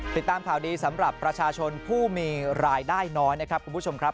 ติดตามข่าวดีสำหรับประชาชนผู้มีรายได้น้อยนะครับคุณผู้ชมครับ